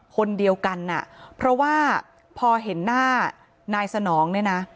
คนเดียวกันอ่ะเพราะว่าพอเห็นหน้านายสนองเนี่ยนะ